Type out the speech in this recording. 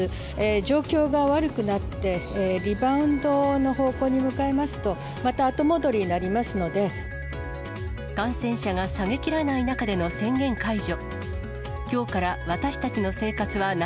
状況が悪くなって、リバウンドの方向に向かいますと、感染者が下げきらない中での宣言解除。